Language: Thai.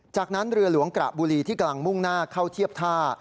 จากนั้นเรือหลวงกระบุรีที่กำลังมุ่งหน้าเข้าเทียบท่า